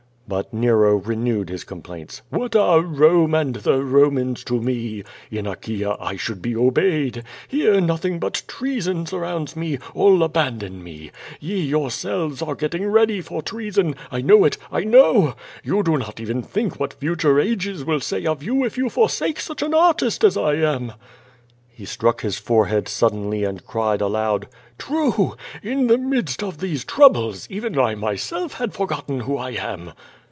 But Nero renewed his complaints. ^^What are Rome and the Romans to me? In Achaea I should be obeyed. Here nothing but treason surrounds me, all abandon me. Ye your selves are getting ready for treason. I know it, I know! You do not even think what future ages will say of you if you forsake such an arti&t as I am." He struck his forehead suddenly and cried aloud: "True! In the midst of these troubles, even I myself had forgotten who I am."